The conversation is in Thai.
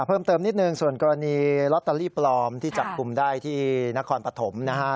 เพิ่มเติมนิดหนึ่งส่วนกรณีลอตเตอรี่ปลอมที่จับกลุ่มได้ที่นครปฐมนะฮะ